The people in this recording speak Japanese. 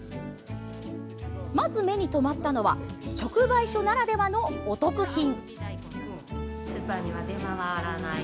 まず目に留まったのは直売所ならではの、お得品。